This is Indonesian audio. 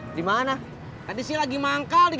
barusan saya liat tuh kantor sepatu keliling